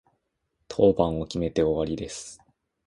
当番を決めて終わりです。